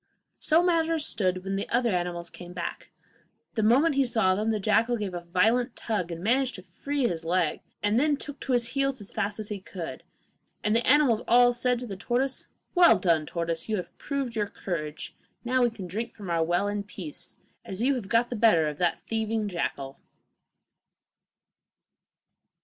So matters stood when the other animals came back. The moment he saw them, the jackal gave a violent tug, and managed to free his leg, and then took to his heels as fast as he could. And the animals all said to the tortoise: 'Well done, tortoise, you have proved your courage; now we can drink from our well in peace, as you have got the better of that thieving jackal!